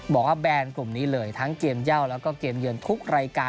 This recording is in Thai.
บอกว่าแบรนด์กลุ่มนี้เลยทั้งเกมย่าวแล้วก็เกมเยินทุกรายการ